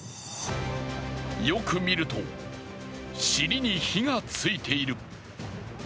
よく見ると、尻に火がついている。